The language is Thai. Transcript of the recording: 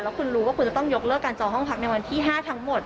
คุณรู้ว่าคุณจะต้องยกเลิกการจองห้องพักในวันที่๕ทั้งหมด